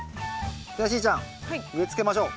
ではしーちゃん植え付けましょう。